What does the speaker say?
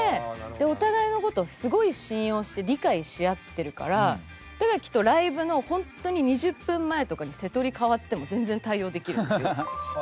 お互いの事をすごい信用して理解し合ってるからだからきっとライブの本当に２０分前とかにセトリ変わっても全然対応できるんですよ。